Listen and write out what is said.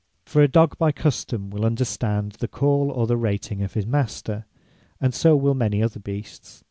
For a dogge by custome will understand the call, or the rating of his Master; and so will many other Beasts.